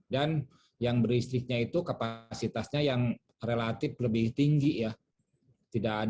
dan yang berlistriknya itu kapasitasnya yang relatif lebih tinggi ya